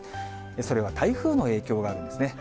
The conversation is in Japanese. それは台風の影響があるんですね。